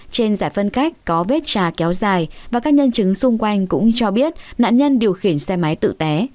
trên giải phân cách có vết trà kéo dài và các nhân chứng xung quanh cũng cho biết nạn nhân điều khiển xe máy tự té